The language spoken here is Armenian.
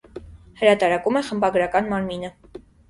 Հրատարակում է խմբագրական մարմինը։